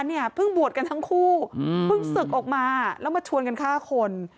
เนี่ยเพิ่งบวชกันทั้งคู่เพิ่งศึกออกมาแล้วมาชวนกันฆ่าคน